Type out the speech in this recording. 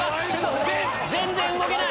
全然動けない！